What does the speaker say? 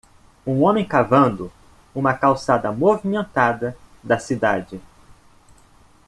Um homem cavando uma calçada movimentada da cidade.